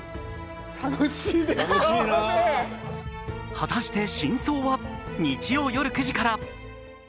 果たして真相は、日曜夜９時から。